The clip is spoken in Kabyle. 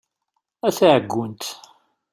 A taɛeggunt!